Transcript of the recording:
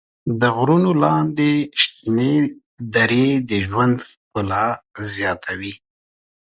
د غرونو لاندې شنې درې د ژوند ښکلا زیاتوي.